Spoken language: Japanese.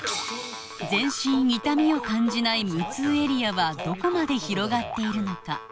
全身痛みを感じない無痛エリアはどこまで広がっているのか？